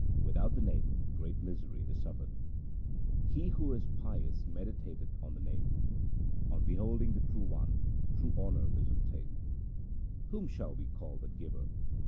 Without the Name great misery is suffered. He who is pious meditateth on the Name. On beholding the True One, true honour is obtained. Whom shall we call the giver ?